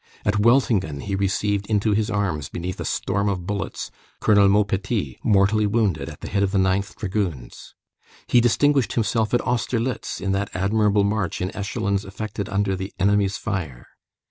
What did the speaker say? At Weltingen he received into his arms, beneath a storm of bullets, Colonel Maupetit, mortally wounded at the head of the 9th Dragoons. He distinguished himself at Austerlitz in that admirable march in echelons effected under the enemy's fire.